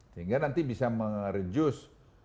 sehingga nanti bisa mengerjus